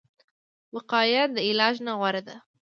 وقایه د علاج نه غوره ده